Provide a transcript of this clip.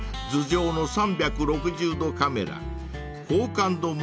頭上の３６０度カメラ高感度